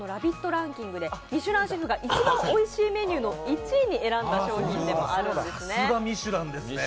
ランキングでミシュランシェフが一番おいしいメニューの１位に選んだ商品なんですね。